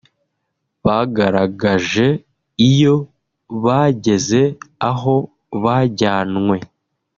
Bagaragaje iyo bageze aho bajyanwe